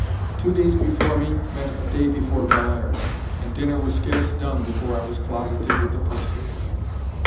Two days before me meant a day before Bellairs; and dinner was scarce done before I was closeted with the purser.